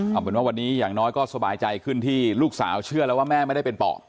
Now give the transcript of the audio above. เอาเป็นว่าวันนี้อย่างน้อยก็สบายใจขึ้นที่ลูกสาวเชื่อแล้วว่าแม่ไม่ได้เป็นป่อ